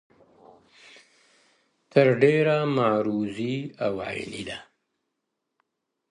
تر ډیره معروضي او عیني ده